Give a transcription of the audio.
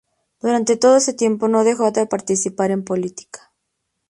Durante todo ese tiempo no dejó de participar en política.